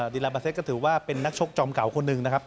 ดีลาบาเซ็ตก็ถือว่าเป็นนักชกจอมเก่าคนหนึ่งนะครับ